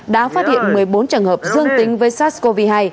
đã phát hiện một mươi bốn trường hợp dương tính với sars cov hai